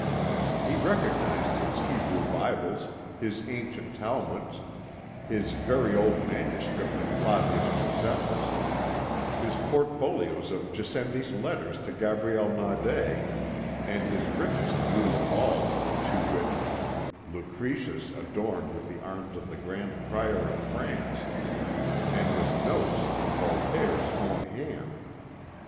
He recognised his Hebrew Bibles, his ancient Talmuds, his very old manuscript of Flavius Josephus, his portfolios of Gassendi's letters to Gabriel Naudé, and his richest jewel of all, to wit, Lucretius adorned with the arms of the Grand Prior of France, and with notes in Voltaire's own hand.